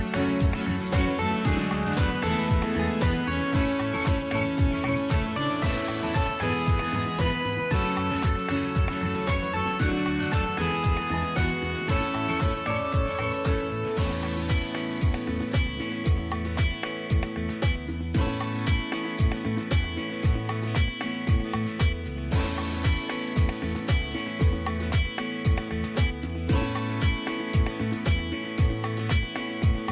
โปรดติดตามตอนต่อไป